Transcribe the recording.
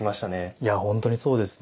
いや本当にそうですね。